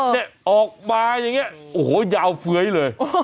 เนี่ยออกมาอย่างนี้โอ้โหยาวเฟ้ยเลย